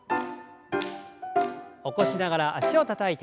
起こしながら脚をたたいて。